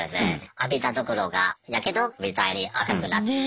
浴びたところがやけど？みたいに赤くなって。